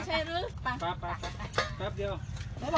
สวัสดีครับคุณพลาด